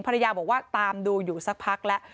ภรรยาบอกว่าตามดูอยู่สักพักแล้ว